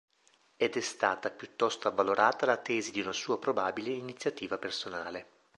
Ed è stata piuttosto avvalorata la tesi di una sua probabile iniziativa personale.